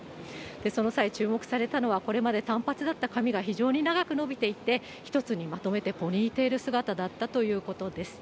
その際、注目されたのはこれまで短髪だった髪が非常に長く伸びていて、１つにまとめてポニーテール姿だったということです。